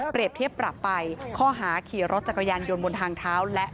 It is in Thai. เทียบปรับไปข้อหาขี่รถจักรยานยนต์บนทางเท้าและ